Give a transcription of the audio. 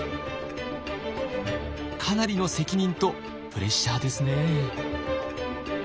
かなりの責任とプレッシャーですね。